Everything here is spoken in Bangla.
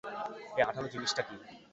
এই আঠালো জিনিসটা কি?